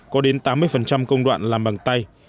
có đến tám mươi công đoạn làm bằng tay